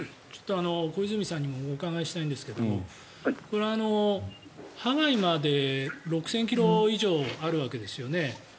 小泉さんにもお伺いしたいんですがこれはハワイまで６０００ｋｍ以上あるわけですよね。